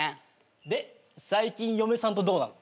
で最近嫁さんとどうなの。